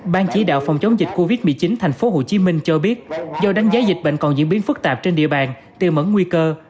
ban chỉ đạo phòng chống dịch covid một mươi chín tp hcm cho biết do đánh giá dịch bệnh còn diễn biến phức tạp trên địa bàn tiềm mẫn nguy cơ